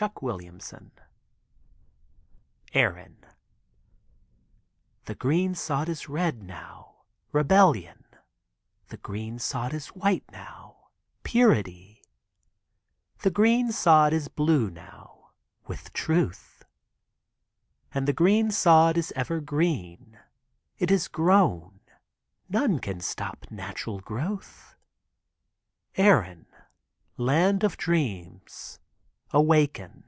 [mi DAY DREAMS ERIN The green sod is red now — Rebellion The green sod is white now — Purity The green sod is blue now, With truth And the green sod is ever green, It is growth — none can stop natural growth Erin — land of dreams — Awaken.